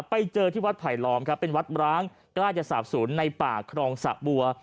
ไปเจอที่วัดไผลล้อมครับเป็นวัดร้างใกล้จะสาบศูนย์ในป่าครองสะบัว